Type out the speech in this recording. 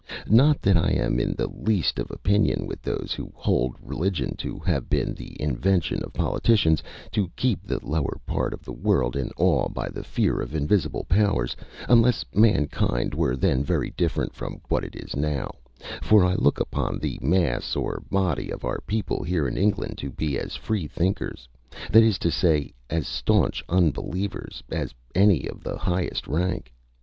Not that I am in the least of opinion with those who hold religion to have been the invention of politicians, to keep the lower part of the world in awe by the fear of invisible powers; unless mankind were then very different from what it is now; for I look upon the mass or body of our people here in England to be as Freethinkers, that is to say, as staunch unbelievers, as any of the highest rank.